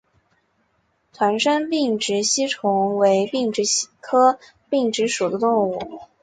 团山并殖吸虫为并殖科并殖属的动物。